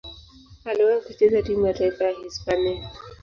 Aliwahi kucheza timu ya taifa ya Hispania.